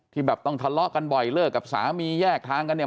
แบบต้องทะเลาะกันบ่อยเลิกกับสามีแยกทางกันเนี่ย